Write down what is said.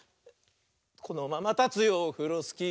「このままたつよオフロスキー」